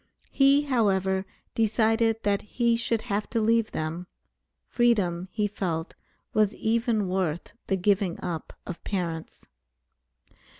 He, however, decided that he should have to leave them. Freedom, he felt, was even worth the giving up of parents.